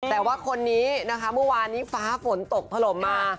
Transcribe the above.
แต่ว่าคนนี้นะคะเมื่อวานนี้ฟ้าฝนตกถล่มมา